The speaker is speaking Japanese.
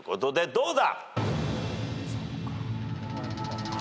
どうだ？